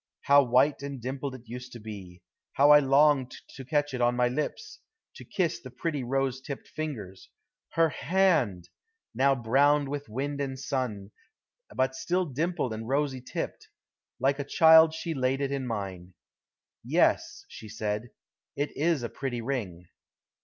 How white and dimpled it used to be. How I longed to catch it to my lips, to kiss the pretty rosy tipped fingers! Her hand! Now brown with wind and sun, but still dimpled and rosy tipped. Like a child she laid it in mine. "Yes," she said, "it is a pretty ring."